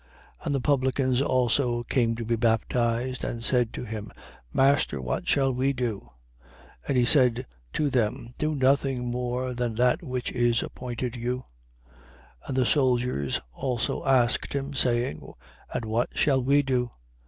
3:12. And the publicans also came to be baptized and said to him: Master, what shall we do? 3:13. But he said to them: Do nothing more than that which is appointed you. 3:14. And the soldiers also asked him, saying: And what shall we do?